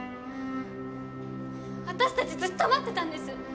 私たちずっと待ってたんです。